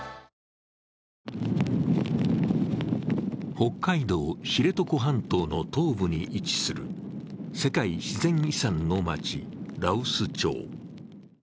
北海道・知床半島の東部に位置する世界自然遺産の町、羅臼町。